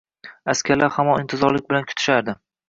Askarlar hamon intizorlik bilan kutishardi